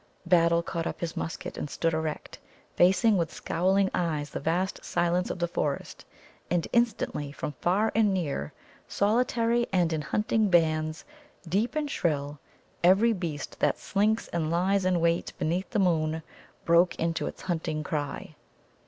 Battle caught up his musket and stood erect, facing with scowling eyes the vast silence of the forest. And instantly from far and near, solitary and in hunting bands, deep and shrill, every beast that slinks and lies in wait beneath the moon broke into its hunting cry.